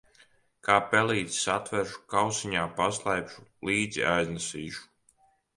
Kā pelīti satveršu, kausiņā paslēpšu, līdzi aiznesīšu.